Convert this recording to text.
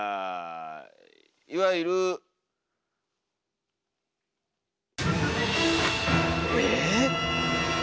いわゆる。え？